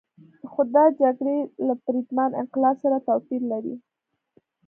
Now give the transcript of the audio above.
خو دا جګړې له پرتمین انقلاب سره توپیر لري.